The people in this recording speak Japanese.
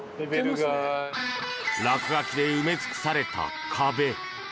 落書きで埋め尽くされた壁。